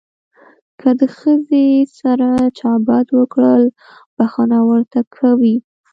که د ښځې سره چا بد وکړل بښنه ورته کوي.